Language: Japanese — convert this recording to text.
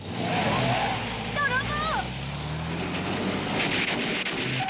泥棒！